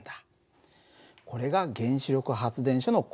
これが原子力発電所の構造です。